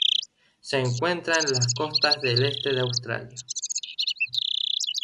Se encuentra en las costas del este de Australia.